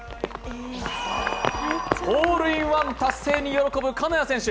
ホールインワン達成に喜ぶ金谷選手。